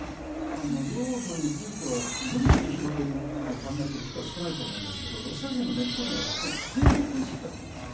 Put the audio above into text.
領土については無理して広げると考えている人は少ないと思うんですけどロシア人の根っこにはつまり帝国意識だと思うんです。